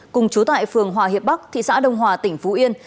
cùng trú tại phường hòa hiệp bắc thị xã đồng hòa tỉnh phú yên